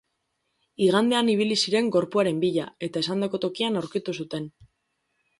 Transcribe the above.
Igandean ibili ziren gorpuaren bila, eta esandako tokian aurkitu zuten.